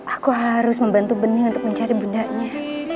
aku harus membantu bening untuk mencari bundanya